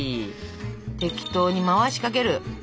適当に回しかける。